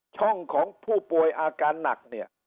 ช่องของผู้ป่วยอาการหนักเนี่ย